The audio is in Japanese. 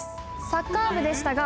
「サッカー部でしたが」